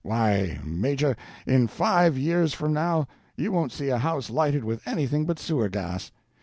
Why, Major, in five years from now you won't see a house lighted with anything but sewer gas.